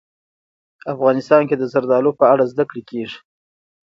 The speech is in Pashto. افغانستان کې د زردالو په اړه زده کړه کېږي.